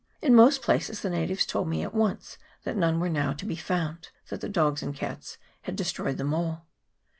In most places the natives told me at once that none were now to be found, that the dogs and cats had destroyed them all.